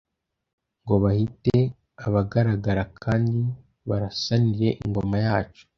Ngo bahite abagaragara kandi barasanire ingoma yacu